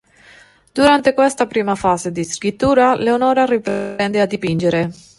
Durante questa prima fase di scrittura, Leonora riprende a dipingere.